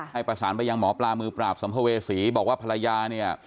ให้ประสานไปยังหมอปลามือปราบสัมภเวษีบอกว่าภรรยาเนี่ย